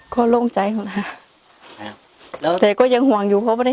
ก็โรคใจทำเนี่ยครับ